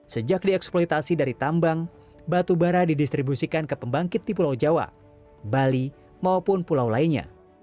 sejak dieksploitasi dari tambang batubara didistribusikan ke pembangkit di pulau jawa bali maupun pulau lainnya